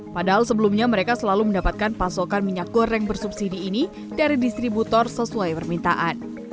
padahal sebelumnya mereka selalu mendapatkan pasokan minyak goreng bersubsidi ini dari distributor sesuai permintaan